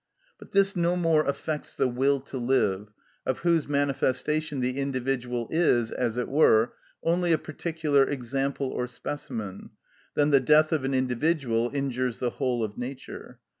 But this no more affects the will to live, of whose manifestation the individual is, as it were, only a particular example or specimen, than the death of an individual injures the whole of nature.